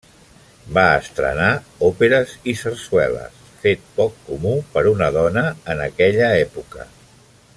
Va estrenar òperes i sarsueles, fet poc comú per una dona en aquella època.